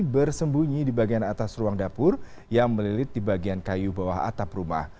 bersembunyi di bagian atas ruang dapur yang melilit di bagian kayu bawah atap rumah